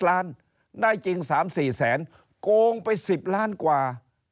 ล้านได้จริง๓๔แสนโกงไป๑๐ล้านกว่า